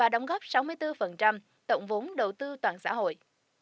đóng góp sáu mươi bốn tổng vốn đầu tư toàn xã hội